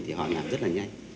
thì họ làm rất là nhanh